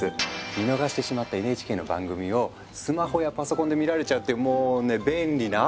見逃してしまったＮＨＫの番組をスマホやパソコンで見られちゃうっていうもうね便利なアプリなんですよ！